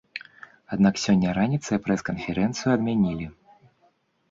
Аднак сёння раніцай прэс-канферэнцыю адмянілі.